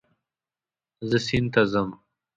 زه سیند ته ځم